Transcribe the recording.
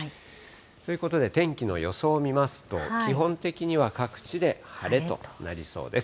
ということで、天気の予想を見ますと、基本的には各地で晴れとなりそうです。